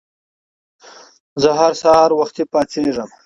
زه هر سهار وختي پاڅېږم.